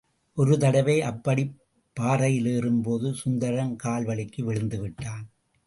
ஒரு தடவை அப்படிப் பாறையில் ஏறும் போது சுந்தரம் கால் வழுக்கி விழுந்துவிட்டான்.